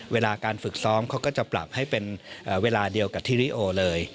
เวลาการฝึกซ้อมเขาก็จะปรับให้เป็นเวลาเดียวกับที่ริโอเลย